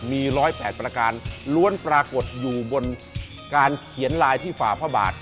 มี๑๐๘ประการล้วนปรากฏอยู่บนการเขียนลายที่ฝ่าพระบาท